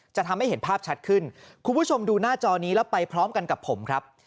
จะทำให้เห็นภาพชัดขึ้นคุณผู้ชมดูหน้าจอนี้แล้วไปพร้อมกันกับผมครับ